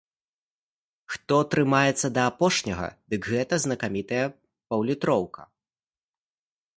Хто трымаецца да апошняга, дык гэта знакамітая паўлітроўка.